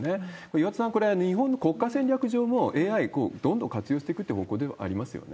岩田さん、これ、日本の国家戦略上も、ＡＩ、どんどん活用していくっていう方向ではありますよね。